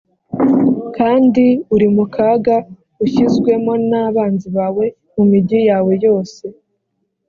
kandi uri mu kaga ushyizwemo n’abanzi bawe, mu migi yawe yose.